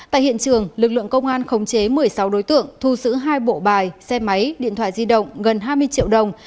tại hiện trường lực lượng công an khống chế một mươi sáu đối tượng thu xử hai bộ bài xe máy điện thoại di động gần hai mươi triệu đồng